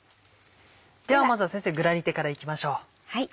ではまずは先生グラニテからいきましょう。